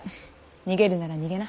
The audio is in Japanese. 逃げるなら逃げな。